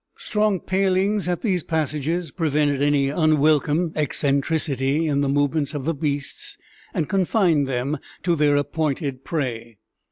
Strong palings at these passages prevented any unwelcome eccentricity in the movements of the beasts, and confined them to their appointed prey.